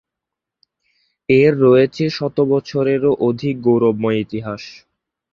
এর রয়েছে শত বছরেরও অধিক গৌরবময় ইতিহাস।